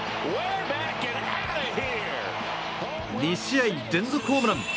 ２試合連続ホームラン。